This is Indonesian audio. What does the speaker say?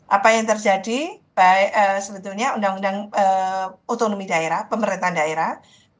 apa yang terjadi baik sebetulnya undang undang otonomi daerah pemerintahan daerah